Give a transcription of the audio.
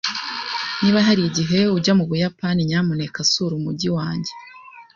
Niba hari igihe ujya mu Buyapani, nyamuneka sura umujyi wanjye.